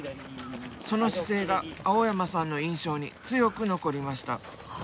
その姿勢が青山さんの印象に強く残りました。